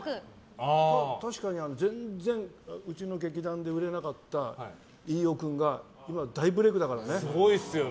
確かに全然うちの劇団で売れなかった飯尾君が今、大ブレークだからね。